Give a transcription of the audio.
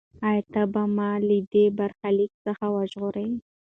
ایا ته به ما له دې برخلیک څخه وژغورې؟